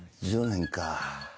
１０年か。